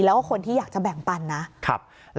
แล้วก็คนที่อยากจะแบ่งปันนะ